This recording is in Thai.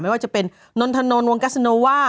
ว่าจะเป็นนนทนนท์วงกัสโนว่า